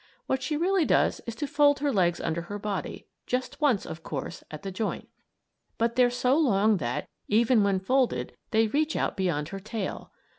What she really does is to fold her legs under her body; just once, of course, at the joint. But they're so long that, even when folded, they reach out beyond her tail.